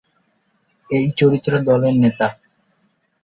এই চরিত্র দলের নেতা।